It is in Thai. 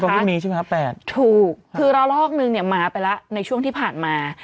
ไม่มีใช่ไหมครับแปดถูกคือระลอกนึงเนี่ยหมาไปแล้วในช่วงที่ผ่านมา